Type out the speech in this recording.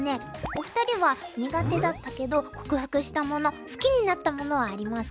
お二人は苦手だったけど克服したもの好きになったものはありますか？